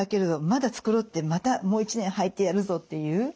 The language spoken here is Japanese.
まだ繕ってまたもう１年はいてやるぞっていう。